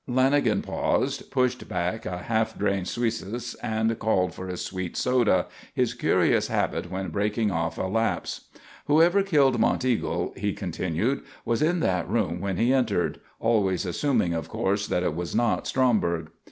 Lanagan paused, pushed back a half drained suisses and called for a sweet soda his curious habit when breaking off a "lapse." "Whoever killed Monteagle," he continued, "was in that room when he entered always assuming, of course, that it was not Stromberg.